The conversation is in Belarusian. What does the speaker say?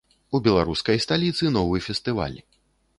У беларускай сталіцы новы фестываль.